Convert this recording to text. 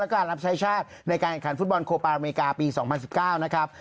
และการรับใช้ชาติในการกันฟุตบอลโครปาร์อเมริกาปีสองพันสิบเก้านะครับ